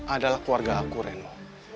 adalah keluarga aku reno